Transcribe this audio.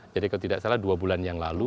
jadi kalau tidak salah dua bulan yang lalu